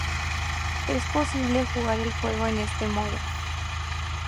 Es posible jugar el juego en este modo.